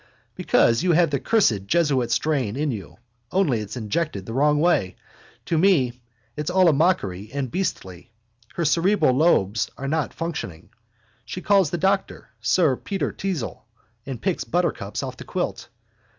Because you have the cursed jesuit strain in you, only it's injected the wrong way. To me it's all a mockery and beastly. Her cerebral lobes are not functioning. She calls the doctor sir Peter Teazle and picks buttercups off the quilt.